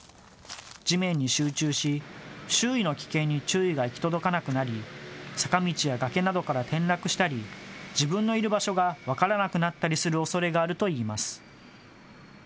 地面に集中し周囲の危険に注意が行き届かなくなり坂道や崖などから転落したり自分のいる場所が分からなくなったりするおそれがあるといいます。